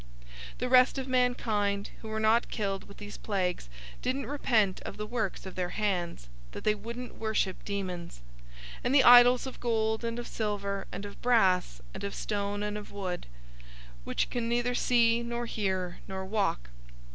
009:020 The rest of mankind, who were not killed with these plagues, didn't repent of the works of their hands, that they wouldn't worship demons, and the idols of gold, and of silver, and of brass, and of stone, and of wood; which can neither see, nor hear, nor walk.